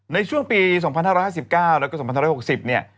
ในช่วงปี๒๕๕๙และ๒๕๖๐